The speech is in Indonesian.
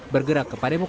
bergerak ke padepokan